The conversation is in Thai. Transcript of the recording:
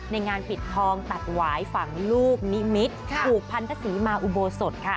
ในงานผิดทองตัดหวายฝั่งลูกนิมิตอุปัญภาษีมาอุโบสถค่ะ